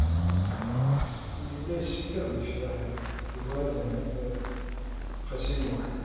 Yella yessefk ad necḍeḥ ed Wrida n At Qasi Muḥ.